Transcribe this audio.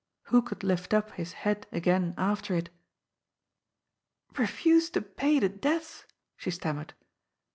Who could lift up his head again after it? " Bef use to pay the debts !" she stammered.